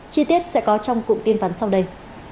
chi tiết sẽ có trong cụm tin vắn sau đây